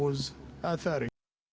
untuk mengelakkan wabak ini